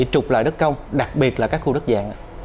trục lợi đất công đặc biệt là các khu đất dạng